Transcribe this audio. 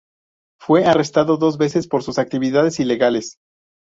Fue arrestado dos veces por sus actividades ilegales.